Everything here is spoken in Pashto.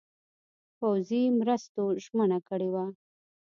پوځي مرستو ژمنه کړې وه.